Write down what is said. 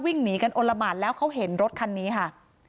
วิ่งหนีกันอลละหมานแล้วเขาเห็นรถคันนี้ค่ะ